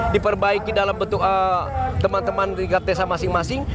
diperbaiki dalam bentuk teman teman di gatesa masing masing